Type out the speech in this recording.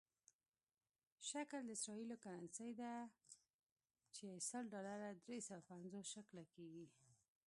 شکل د اسرائیلو کرنسي ده چې سل ډالره درې سوه پنځوس شکله کېږي.